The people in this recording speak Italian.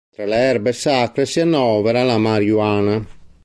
Tra le erbe sacre si annovera la marijuana.